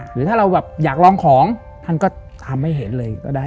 หรือถ้าเราแบบอยากลองของท่านก็ทำให้เห็นเลยก็ได้